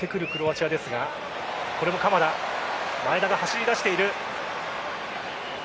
前田が走りだしている。